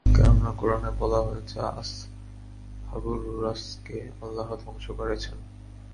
কেননা কুরআনে বলা হয়েছে- আসহাবুর রসসকে আল্লাহ ধ্বংস করেছেন।